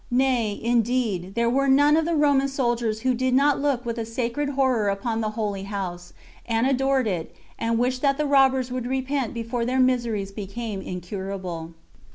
Nay, indeed, there were none of the Roman soldiers who did not look with a sacred horror upon the holy house, and adored it, and wished that the robbers would repent before their miseries became incurable.